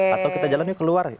atau kita jalan yuk keluar